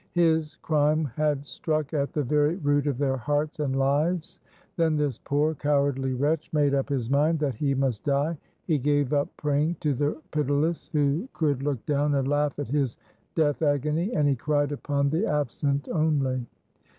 His crime had struck at the very root of their hearts and lives. Then this poor, cowardly wretch made up his mind that he must die. He gave up praying to the pitiless, who could look down and laugh at his death agony, and he cried upon the absent only.